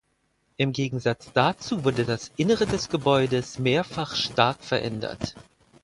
Im Gegensatz dazu wurde das Innere des Gebäudes mehrfach stark verändert.